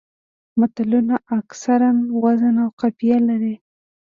متلونه اکثره وزن او قافیه لري